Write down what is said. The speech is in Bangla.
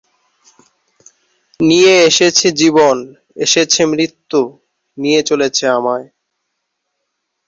বঙ্গভঙ্গ আন্দোলন সংগঠিত করতে এই পত্রিকা গুরুত্বপূর্ণ ভূমিকা নেয়।